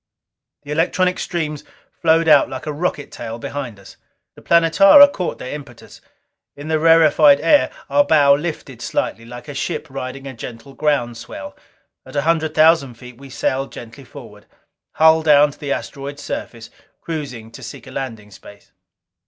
The electronic streams flowed out like a rocket tail behind us. The Planetara caught their impetus. In the rarefied air, our bow lifted slightly, like a ship riding a gentle ground swell. At a hundred thousand feet we sailed gently forward, hull down to the asteroid's surface, cruising to seek a landing space.